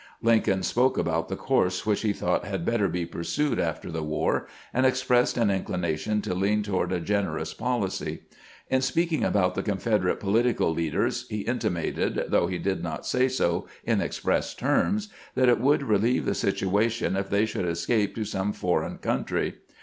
Lincoln spoke about the course which he thought had better be pursued after the war, and ex pressed an inclination to lean toward a generous policy. In speaking about the Confederate poUtical leaders, he intimated, though he did not say so in express terms, that it would relieve the situation if they should escape to some foreign country.